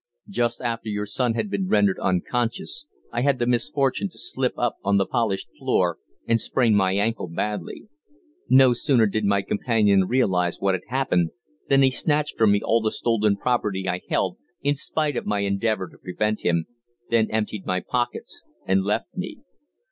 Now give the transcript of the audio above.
"Just after your son had been rendered unconscious, I had the misfortune to slip up on the polished floor and sprain my ankle badly. No sooner did my companion realize what had happened, than he snatched from me all the stolen property I held, in spite of my endeavour to prevent him, then emptied my pockets, and left me.